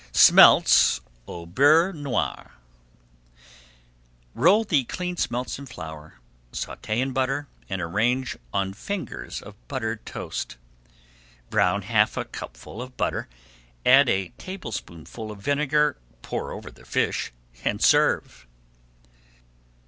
SMELTS AU BEURRE NOIR Roll the cleaned smelts in flour, sauté in butter, and arrange on fingers of buttered toast. Brown half a cupful of butter, add a tablespoonful of vinegar, pour over the fish, and serve.